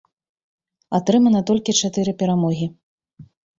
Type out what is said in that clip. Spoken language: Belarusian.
Атрымана толькі чатыры перамогі.